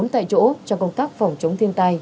bốn tại chỗ cho công tác phòng chống thiên tai